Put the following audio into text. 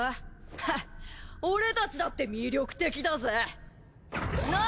ヘッ俺たちだって魅力的だぜ。なぁ？